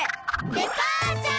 デパーチャー！